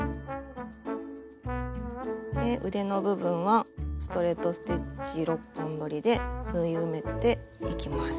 腕の部分はストレート・ステッチ６本どりで縫い埋めていきます。